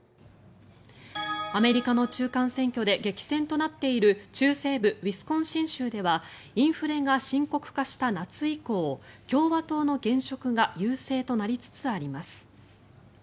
アメリカの中間選挙で激戦となっている中西部ウィスコンシン州ではインフレが深刻化した夏以降共和党の現職が優勢となりつつあります。